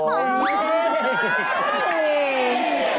ช่วย